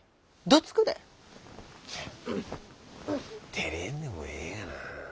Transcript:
てれんでもええがな。